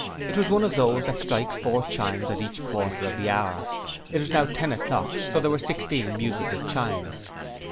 It was one of those that strike four chimes at each quarter of the hour. It was now ten o'clock so there were sixteen musical chimes: Ding, dong!